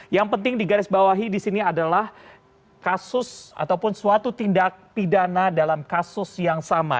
yang penting digarisbawahi di sini adalah kasus ataupun suatu tindak pidana dalam kasus yang sama